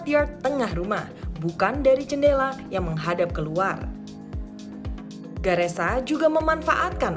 tens advisor rumah bukan dari jendela yang menghadap keluar garesa juga memanfaatkan